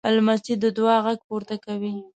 لمسی د دعا غږ پورته کوي.